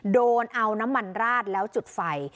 โดนเอาน้ำมันราดแล้วจุดไฟ